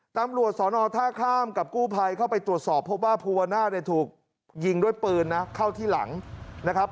ตำรวจสอนอท่าข้ามกับกู้ภัยเข้าไปตรวจสอบพบว่าภูวนาศเนี่ยถูกยิงด้วยปืนนะเข้าที่หลังนะครับ